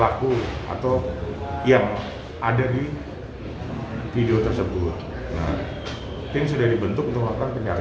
aku ingin melakukan apa apa